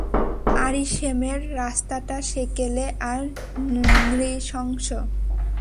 আরিশেমের রাস্তাটা সেকেলে আর নৃশংস।